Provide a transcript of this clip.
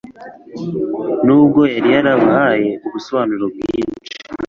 nubwo yari yarabahaye ubusobanuro bwinshi.